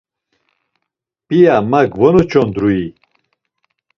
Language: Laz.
P̌iya ma gvonoç̌ondrui?